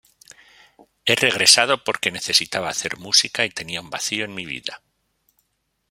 He regresado porque necesitaba hacer música y tenía un vacío en mi vida.